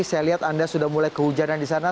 saya lihat anda sudah mulai kehujanan di sana